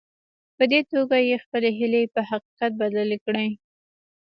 په دې توګه يې خپلې هيلې په حقيقت بدلې کړې.